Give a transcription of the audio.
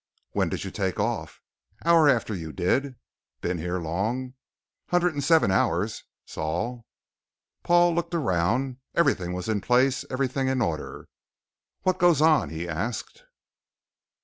"When did you take off?" "Hour after you did." "Been here long?" "Hundred and seven hours Sol." Paul looked around. Everything was in place, everything in order. "What goes on?" he asked.